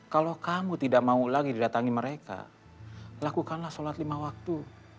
kalau kamu tidak mau lagi didatangi mereka lakukanlah sholat lima waktu